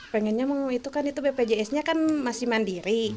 pengennya itu kan itu bpjs nya kan masih mandiri